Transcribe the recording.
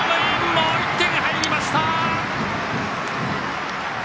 もう１点入りました！